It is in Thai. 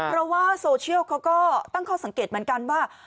เพราะว่าโซเชียลเขาก็ตั้งข้อสังเกตเหมือนกันว่า